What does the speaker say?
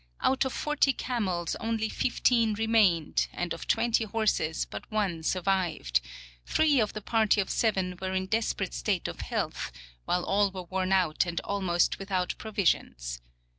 Out of 40 camels only 15 remained, and. of 20 horses but one sur vived ; three of the party of seven were in desperate state of health, while all were worn out and almost without provisions.